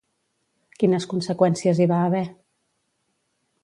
Quines conseqüències hi va haver?